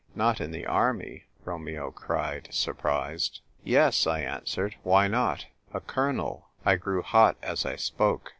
" Not in the army ?" Romeo cried, sur prised. "Yes," 1 answered. " Why not? A colonel." I grew hot as I spoke.